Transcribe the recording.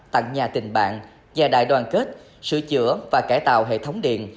tặng nhà tình bạn nhà đại đoàn kết sửa chữa và cải tạo hệ thống điện